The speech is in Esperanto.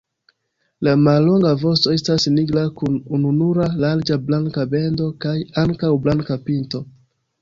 La mallonga vosto estas nigra kun ununura larĝa blanka bendo kaj ankaŭ blanka pinto.